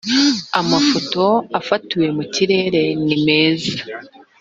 amafoto afatiwe mu kirere nimeza